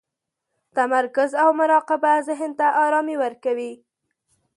تمرکز او مراقبه ذهن ته ارامي ورکوي.